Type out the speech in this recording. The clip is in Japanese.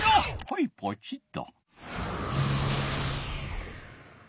はいポチッと。